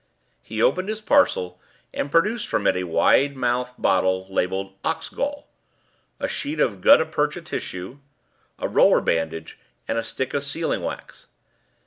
He opened his parcel and produced from it a wide mouthed bottle labelled "Ox gall," a sheet of gutta percha tissue, a roller bandage, and a stick of sealing wax.